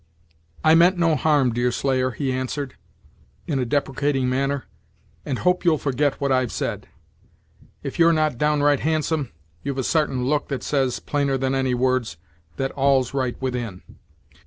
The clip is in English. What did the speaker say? "I meant no harm, Deerslayer," he answered, in a deprecating manner, "and hope you'll forget what I've said. If you're not downright handsome, you've a sartain look that says, plainer than any words, that all's right within.